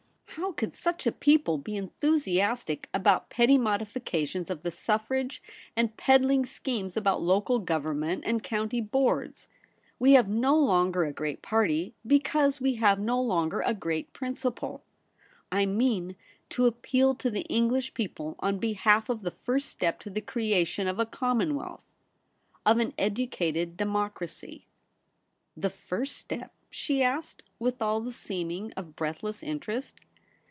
How could such a people be enthusiastic about 6o THE REBEL ROSE. petty modifications of the suffrage and pedd ling schemes about local government and county boards ? We have no longer a great party, because we have no longer a great principle. I mean to appeal to the English people on behalf of the first step to the creation of a commonwealth, of an educated democracy.' ' The first step ?' she asked, with all the seeming of breathless interest.